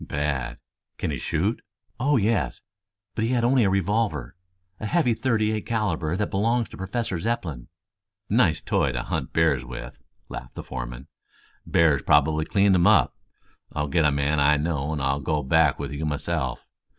"Bad. Can he shoot?" "Oh, yes. But he had only a revolver a heavy thirty eight calibre that belongs to Professor Zepplin." "Nice toy to hunt bears with," laughed the foreman. "Bear's probably cleaned him up. I'll get a man I know and I'll go back with you myself.